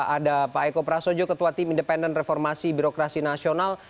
ada pak eko prasojo ketua tim independen reformasi birokrasi nasional